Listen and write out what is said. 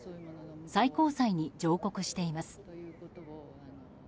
最高裁に上告しています。